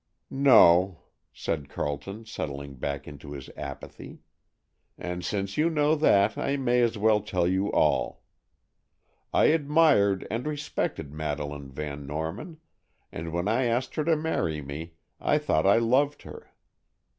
"No," said Carleton, settling back into his apathy. "And since you know that, I may as well tell you all. I admired and respected Madeleine Van Norman, and when I asked her to marry me I thought I loved her.